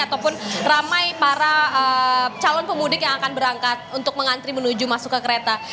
ataupun ramai para calon pemudik yang akan berangkat untuk mengantri menuju masuk ke kereta